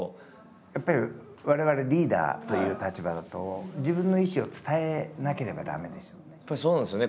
やっぱり我々リーダーという立場だと自分の意思を伝えなければ駄目でしょうね。